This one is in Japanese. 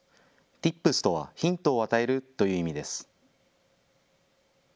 Ｔｉｐｓとはヒントを与えるという意味です。